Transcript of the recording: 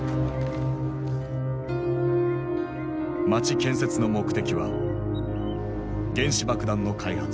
街建設の目的は原子爆弾の開発。